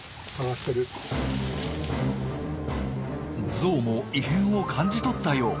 ゾウも異変を感じ取ったよう。